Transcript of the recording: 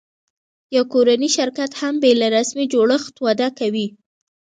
یو کورنی شرکت هم بېله رسمي جوړښت وده کوي.